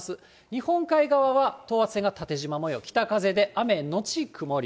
日本海側は等圧線が縦じま模様、北風で、雨後曇り。